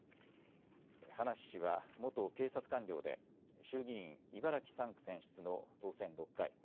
葉梨氏は元警察官僚で衆議院茨城３区選出の当選６回。